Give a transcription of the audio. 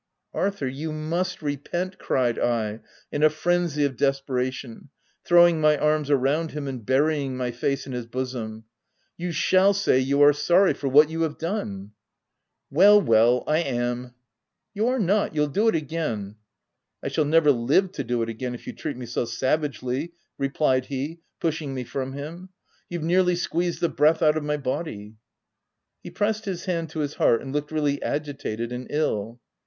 u Arthur, you must repent !" cried I, in a frenzy of desperation, throwing my arms around him and burying my face in his bosom. "You shall say you are sorry for what you have done !"" Well, well, I am." u You are not ! you'll do it again." iC I shall never live to do it again, if you treat me so savagely/' replied he, pushing me from him. " You've nearly squeezed the breath out of my body." He pressed his hand to his heart, and looked really agitated and ill.